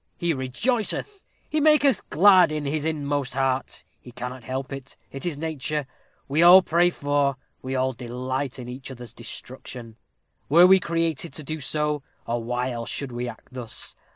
He rejoiceth he maketh glad in his inmost heart he cannot help it it is nature. We all pray for we all delight in each other's destruction. We were created to do so; or why else should we act thus?